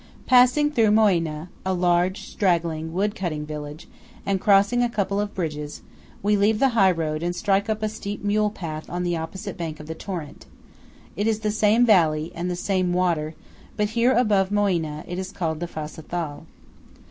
Passing through Moena–a large, straggling, wood cutting village–and crossing a couple of bridges, we leave the high road and strike up a steep mule path on the opposite bank of the torrent. It is the same valley, and the same water; but here above Moena, it is called the Fassa Thal.